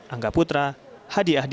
angga putra hadi ahdi